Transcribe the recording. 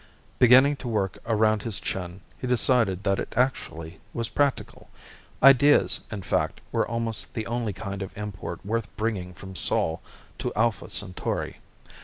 Beginning to work around his chin, he decided that it actually was practical. Ideas, in fact, were almost the only kind of import worth bringing from Sol to Alpha Centauri.